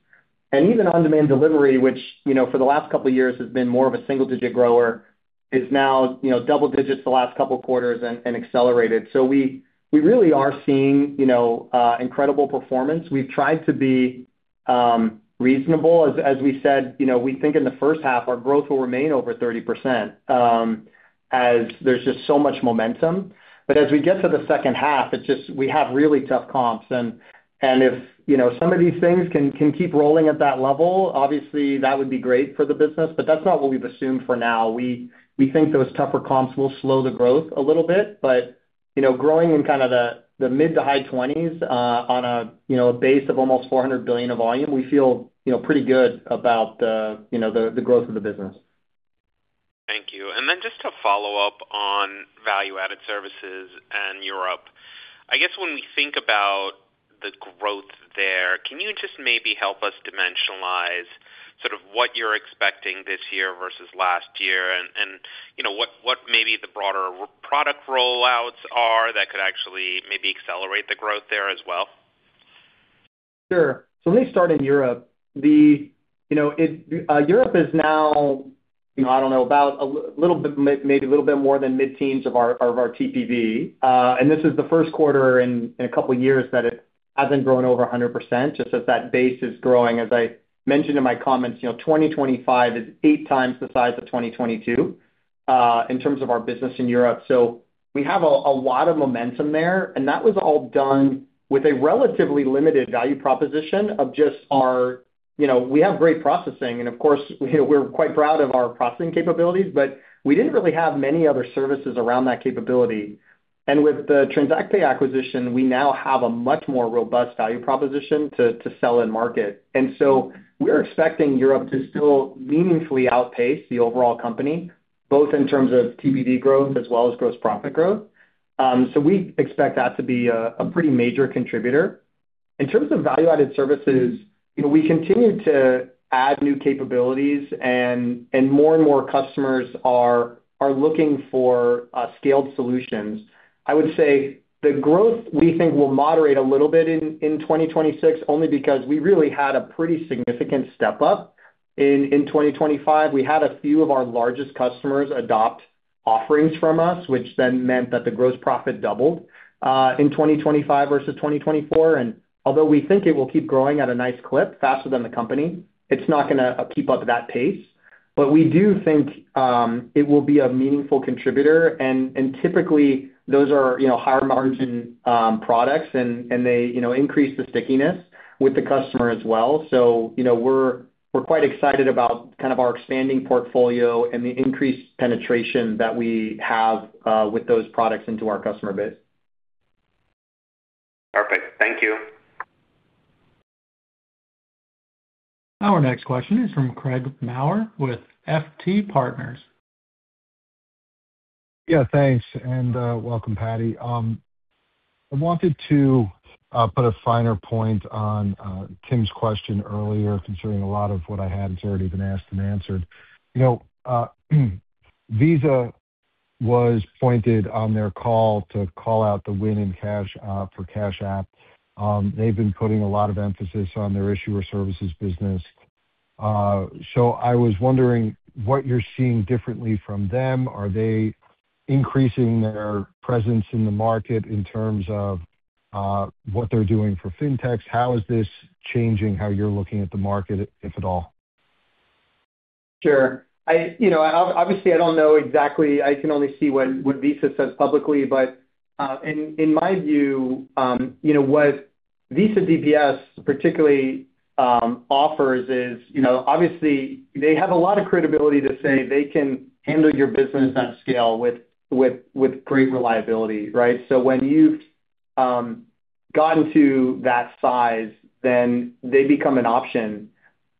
Speaker 3: Even on-demand delivery, which, you know, for the last couple of years has been more of a single-digit grower, is now, you know, double digits the last couple of quarters and accelerated. We really are seeing, you know, incredible performance. We've tried to be reasonable. As we said, you know, we think in the first half, our growth will remain over 30% as there's just so much momentum. As we get to the second half, it's just we have really tough comps, and if, you know, some of these things can keep rolling at that level, obviously, that would be great for the business, but that's not what we've assumed for now. We think those tougher comps will slow the growth a little bit, but, you know, growing in kind of the mid to high 20s, on a, you know, a base of almost $400 billion of volume, we feel, you know, pretty good about the growth of the business.
Speaker 8: Thank you. Just to follow up on value-added services and Europe, I guess when we think about the growth there, can you just maybe help us dimensionalize sort of what you're expecting this year versus last year, and you know, what maybe the broader product rollouts are that could actually maybe accelerate the growth there as well?
Speaker 3: Sure. Let me start in Europe. Europe is now, you know, I don't know, about a little bit, maybe a little bit more than mid-teens of our TPV, and this is the first quarter in a couple of years that it hasn't grown over 100%, just as that base is growing. As I mentioned in my comments, you know, 2025 is eight times the size of 2022 in terms of our business in Europe. We have a lot of momentum there, and that was all done with a relatively limited value proposition of just our, you know, we have great processing, and of course, you know, we're quite proud of our processing capabilities, but we didn't really have many other services around that capability. With the TransactPay acquisition, we now have a much more robust value proposition to sell and market. So we're expecting Europe to still meaningfully outpace the overall company, both in terms of TPV growth as well as gross profit growth. So we expect that to be a pretty major contributor. In terms of value-added services, you know, we continue to add new capabilities, and more and more customers are looking for scaled solutions. I would say the growth, we think, will moderate a little bit in 2026, only because we really had a pretty significant step up in 2025. We had a few of our largest customers adopt offerings from us, which then meant that the gross profit doubled in 2025 versus 2024. Although we think it will keep growing at a nice clip, faster than the company, it's not gonna keep up that pace. We do think it will be a meaningful contributor, and typically those are, you know, higher margin products, and they, you know, increase the stickiness with the customer as well. You know, we're quite excited about kind of our expanding portfolio and the increased penetration that we have with those products into our customer base.
Speaker 8: Perfect. Thank you.
Speaker 1: Our next question is from Craig Maurer with FT Partners.
Speaker 9: Yeah, thanks. And welcome, Patti. I wanted to put a finer point on Tim's question earlier, considering a lot of what I had has already been asked and answered. You know, Visa was pointed on their call to call out the win in cash for Cash App. They've been putting a lot of emphasis on their issuer services business. I was wondering what you're seeing differently from them. Are they increasing their presence in the market in terms of what they're doing for fintechs? How is this changing how you're looking at the market, if at all?
Speaker 3: Sure. You know, obviously, I don't know exactly. I can only see what Visa says publicly. In my view, you know, what Visa DPS particularly offers is, you know, obviously, they have a lot of credibility to say they can handle your business at scale with great reliability, right? When you've gotten to that size, then they become an option.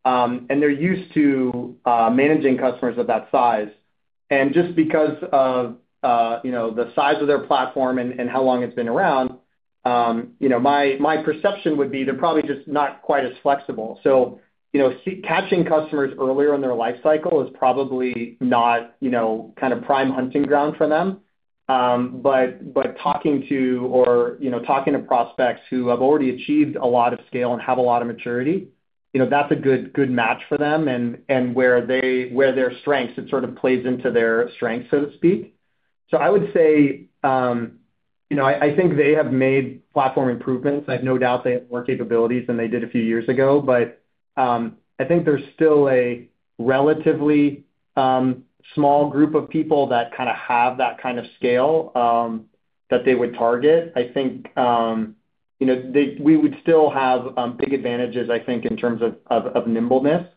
Speaker 3: They're used to managing customers of that size. Just because of, you know, the size of their platform and how long it's been around, you know, my perception would be they're probably just not quite as flexible. You know, catching customers earlier in their life cycle is probably not, you know, kind of prime hunting ground for them. But talking to, or, you know, talking to prospects who have already achieved a lot of scale and have a lot of maturity, you know, that's a good match for them, and where their strengths, it sort of plays into their strengths, so to speak. I would say, you know, I think they have made platform improvements. I have no doubt they have more capabilities than they did a few years ago. I think there's still a relatively small group of people that kinda have that kind of scale that they would target. I think, you know, we would still have big advantages, I think, in terms of nimbleness,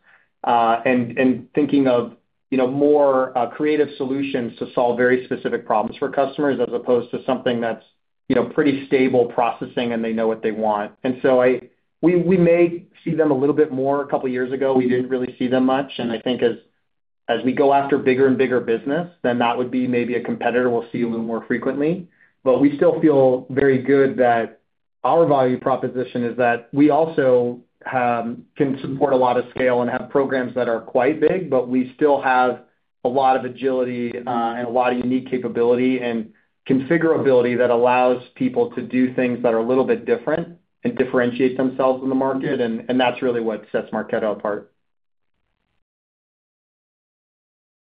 Speaker 3: and thinking of, you know, more creative solutions to solve very specific problems for customers, as opposed to something that's, you know, pretty stable processing, and they know what they want. We, we may see them a little bit more. A couple of years ago, we didn't really see them much. I think as we go after bigger and bigger business, then that would be maybe a competitor we'll see a little more frequently. We still feel very good that our value proposition is that we also, can support a lot of scale and have programs that are quite big, but we still have a lot of agility, and a lot of unique capability and configurability that allows people to do things that are a little bit different and differentiate themselves in the market, and that's really what sets Marqeta apart.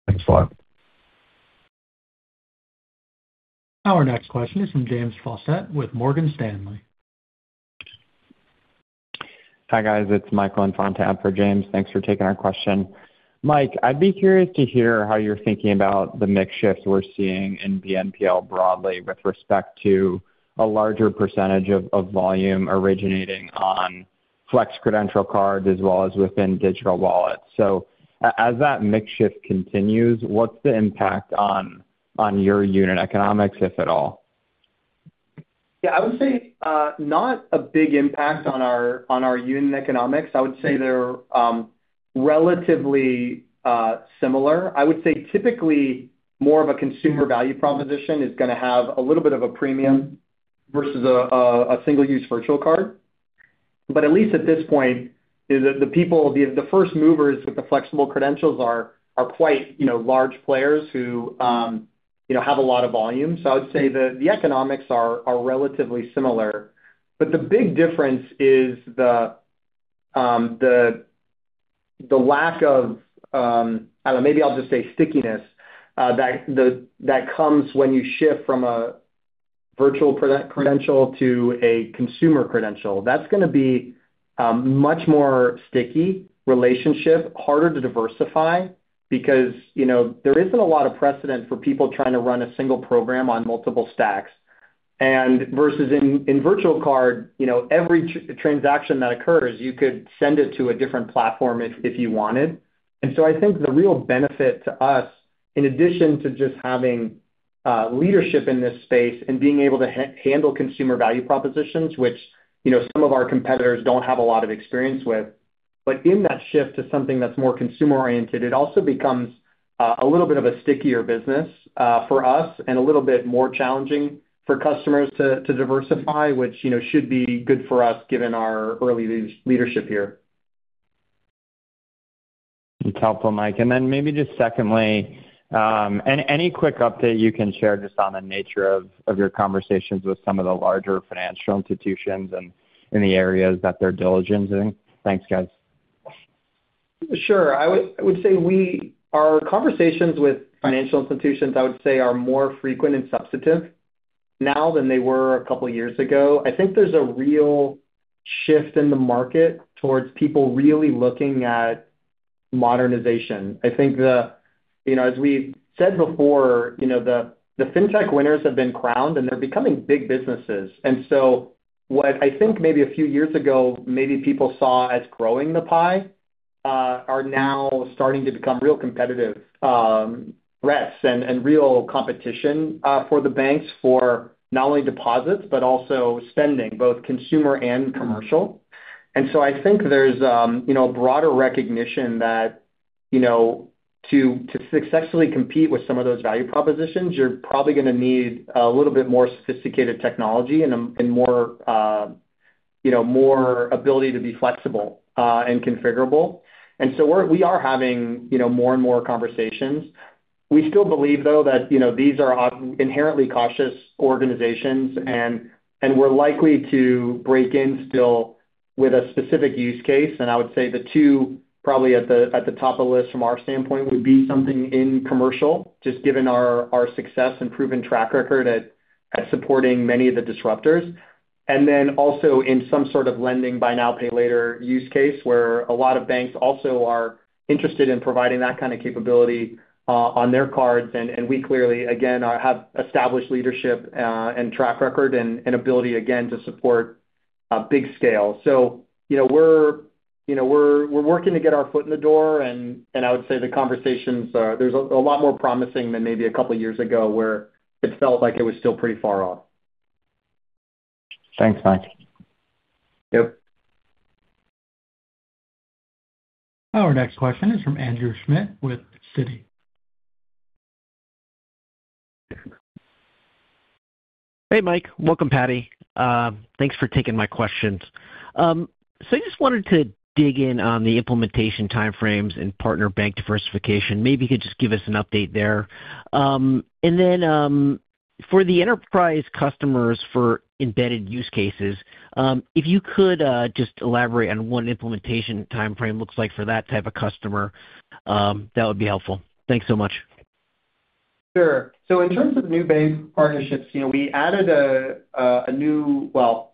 Speaker 9: Thanks a lot.
Speaker 1: Our next question is from James Faucette with Morgan Stanley.
Speaker 10: Hi, guys. It's Michael Infante on tab for James. Thanks for taking our question. Mike, I'd be curious to hear how you're thinking about the mix shift we're seeing in BNPL broadly with respect to a larger percentage of volume originating on flex credential cards as well as within digital wallets. As that mix shift continues, what's the impact on your unit economics, if at all?
Speaker 3: Yeah, I would say, not a big impact on our, on our unit economics. I would say they're relatively similar. I would say, typically, more of a consumer value proposition is gonna have a little bit of a premium versus a single-use virtual card. At least at this point, is that the people, the first movers with the Flexible Credentials are quite, you know, large players who, you know, have a lot of volume. I would say the economics are relatively similar. The big difference is the lack of, I don't know, maybe I'll just say stickiness that comes when you shift from a virtual credential to a consumer credential. That's gonna be much more sticky relationship, harder to diversify because, you know, there isn't a lot of precedent for people trying to run a single program on multiple stacks. Versus in virtual card, you know, every transaction that occurs, you could send it to a different platform if you wanted. I think the real benefit to us, in addition to just having leadership in this space and being able to handle consumer value propositions, which, you know, some of our competitors don't have a lot of experience with, but in that shift to something that's more consumer-oriented, it also becomes a little bit of a stickier business for us and a little bit more challenging for customers to diversify, which, you know, should be good for us, given our early leadership here.
Speaker 10: That's helpful, Mike. Then maybe just secondly, any quick update you can share just on the nature of your conversations with some of the larger financial institutions and in the areas that they're diligencing? Thanks, guys.
Speaker 3: Sure. I would say our conversations with financial institutions, I would say, are more frequent and substantive now than they were a couple of years ago. I think there's a real shift in the market towards people really looking at modernization. You know, as we said before, you know, the fintech winners have been crowned, and they're becoming big businesses. What I think maybe a few years ago, maybe people saw as growing the pie, are now starting to become real competitive threats and real competition for the banks, for not only deposits, but also spending, both consumer and commercial. I think there's, you know, broader recognition that, you know, to successfully compete with some of those value propositions, you're probably gonna need a little bit more sophisticated technology and more, you know, more ability to be flexible, and configurable. We are having, you know, more and more conversations. We still believe, though, that, you know, these are, inherently cautious organizations, and we're likely to break in still with a specific use case. I would say the two probably at the, at the top of the list from our standpoint, would be something in commercial, just given our success and proven track record at supporting many of the disruptors. Then also in some sort of lending, buy now, pay later use case, where a lot of banks also are interested in providing that kind of capability on their cards. We clearly, again, have established leadership and track record and ability, again, to support big scale. You know, we're working to get our foot in the door, and I would say the conversations are. There's a lot more promising than maybe a couple of years ago, where it felt like it was still pretty far off.
Speaker 10: Thanks, Mike.
Speaker 3: Yep.
Speaker 1: Our next question is from Andrew Schmidt with Citi.
Speaker 11: Hey, Mike. Welcome, Patti. Thanks for taking my questions. I just wanted to dig in on the implementation timeframes and partner bank diversification. Maybe you could just give us an update there. For the enterprise customers, for embedded use cases, if you could just elaborate on what implementation timeframe looks like for that type of customer, that would be helpful. Thanks so much.
Speaker 3: Sure. In terms of new bank partnerships, you know, we added a new, well,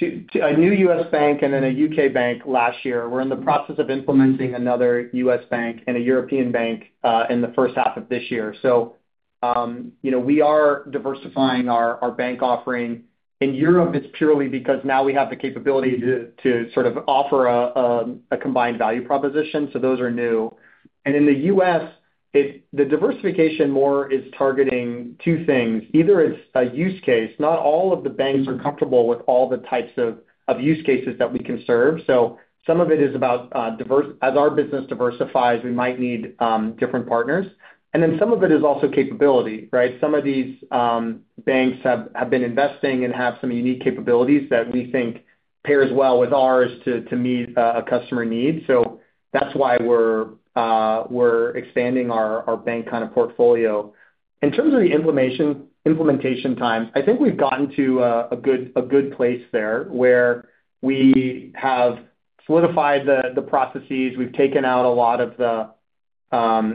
Speaker 3: a new U.S. bank and then a U.K. bank last year. We're in the process of implementing another U.S. bank and a European bank in the first half of this year. You know, we are diversifying our bank offering. In Europe, it's purely because now we have the capability to sort of offer a combined value proposition, so those are new. In the U.S., the diversification more is targeting two things. Either it's a use case. Not all of the banks are comfortable with all the types of use cases that we can serve. Some of it is about, as our business diversifies, we might need different partners. Then some of it is also capability, right? Some of these banks have been investing and have some unique capabilities that we think pairs well with ours to meet a customer need. That's why we're expanding our bank kind of portfolio. In terms of the implementation time, I think we've gotten to a good place there, where we have solidified the processes. We've taken out a lot of the,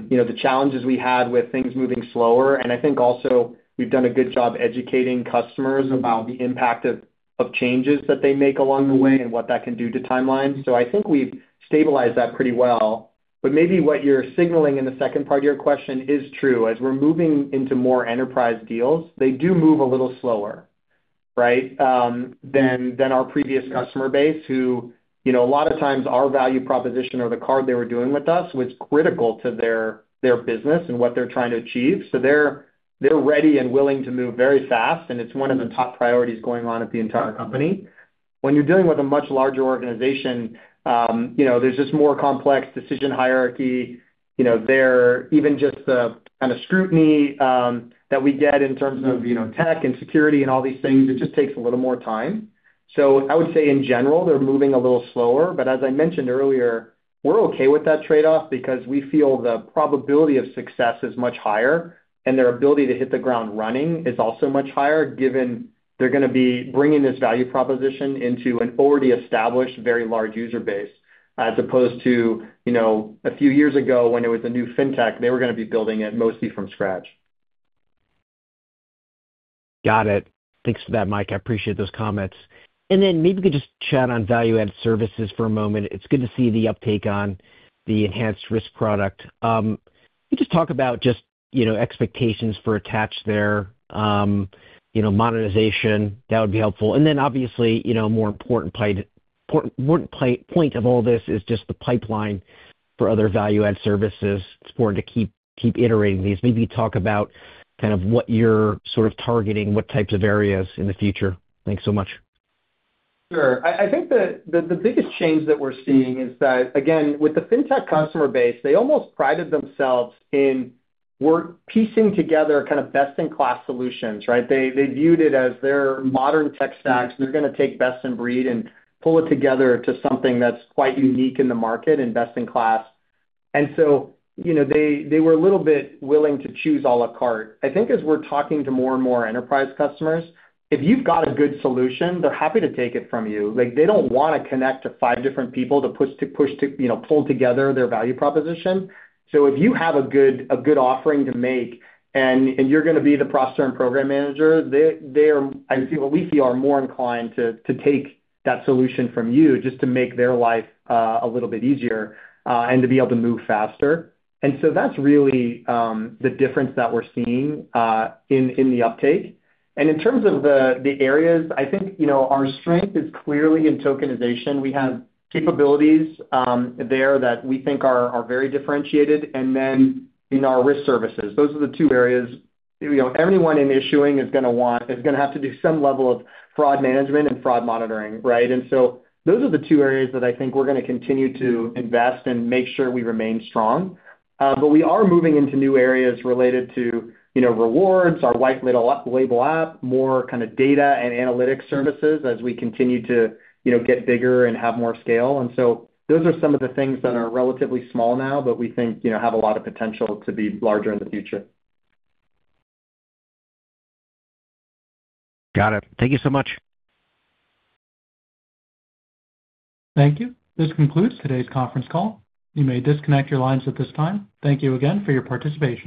Speaker 3: you know, the challenges we had with things moving slower, and I think also we've done a good job educating customers about the impact of changes that they make along the way and what that can do to timelines. I think we've stabilized that pretty well. Maybe what you're signaling in the second part of your question is true. As we're moving into more enterprise deals, they do move a little slower, right? Than our previous customer base, who, you know, a lot of times our value proposition or the card they were doing with us was critical to their business and what they're trying to achieve. They're ready and willing to move very fast, and it's one of the top priorities going on at the entire company. When you're dealing with a much larger organization, you know, there's just more complex decision hierarchy. You know, even just the kind of scrutiny that we get in terms of, you know, tech and security and all these things, it just takes a little more time. I would say in general, they're moving a little slower. As I mentioned earlier, we're okay with that trade-off because we feel the probability of success is much higher, and their ability to hit the ground running is also much higher, given they're gonna be bringing this value proposition into an already established, very large user base, as opposed to, you know, a few years ago, when it was a new fintech, they were gonna be building it mostly from scratch.
Speaker 11: Got it. Thanks for that, Mike. I appreciate those comments. Maybe we could just chat on value-added services for a moment. It's good to see the uptake on the enhanced risk product. Can you just talk about just, you know, expectations for attach there, you know, monetization? That would be helpful. Obviously, you know, more important point of all this is just the pipeline for other value-add services. It's important to keep iterating these. Maybe talk about kind of what you're sort of targeting, what types of areas in the future. Thanks so much.
Speaker 3: I think the biggest change that we're seeing is that, again, with the fintech customer base, they almost prided themselves in we're piecing together kind of best-in-class solutions, right? They viewed it as their modern tech stacks. They're gonna take best in breed and pull it together into something that's quite unique in the market and best in class. You know, they were a little bit willing to choose à la carte. I think as we're talking to more and more enterprise customers, if you've got a good solution, they're happy to take it from you. Like, they don't wanna connect to five different people to, you know, pull together their value proposition. If you have a good offering to make, and you're gonna be the processor and program manager, they are, what we see are more inclined to take that solution from you, just to make their life a little bit easier and to be able to move faster. That's really the difference that we're seeing in the uptake. In terms of the areas, I think, you know, our strength is clearly in tokenization. We have capabilities there that we think are very differentiated, and then in our risk services. Those are the two areas, you know, anyone in issuing is gonna have to do some level of fraud management and fraud monitoring, right? Those are the two areas that I think we're gonna continue to invest in, make sure we remain strong. We are moving into new areas related to, you know, rewards, our white label app, more kind of data and analytics services as we continue to, you know, get bigger and have more scale. Those are some of the things that are relatively small now, but we think, you know, have a lot of potential to be larger in the future.
Speaker 11: Got it. Thank you so much.
Speaker 1: Thank you. This concludes today's conference call. You may disconnect your lines at this time. Thank you again for your participation.